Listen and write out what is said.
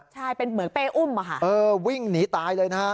ใช่เป็นเหมือนเป้อุ้มวิ่งหนีตายเลยนะฮะ